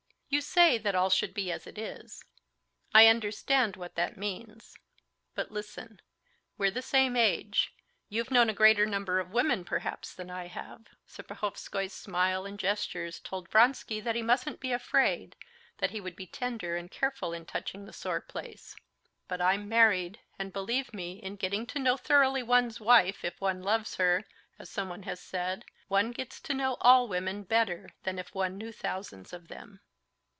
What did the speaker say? "You say that all should be as it is. I understand what that means. But listen: we're the same age, you've known a greater number of women perhaps than I have." Serpohovskoy's smile and gestures told Vronsky that he mustn't be afraid, that he would be tender and careful in touching the sore place. "But I'm married, and believe me, in getting to know thoroughly one's wife, if one loves her, as someone has said, one gets to know all women better than if one knew thousands of them."